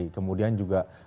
iya kemudian juga